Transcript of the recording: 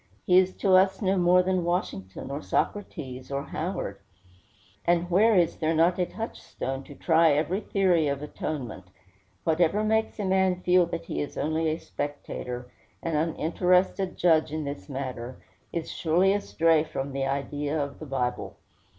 He is to us no more than Washington, or Socrates, or Howard. And where is there not a touchstone to try every theory of atonement? Whatever makes a man feel that he is only a spectator, an uninterested judge in this matter, is surely astray from the idea of the Bible.